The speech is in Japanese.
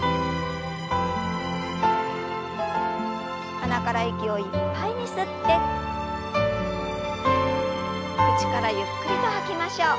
鼻から息をいっぱいに吸って口からゆっくりと吐きましょう。